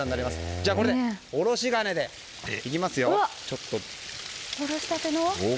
じゃあ、これでおろし金でいきますよ！